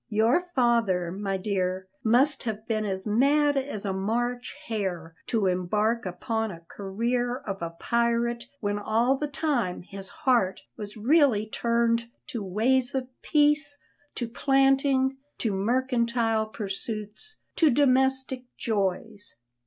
Your father, my dear, must have been as mad as a March hare to embark upon a career of a pirate when all the time his heart was really turned to ways of peace, to planting, to mercantile pursuits, to domestic joys."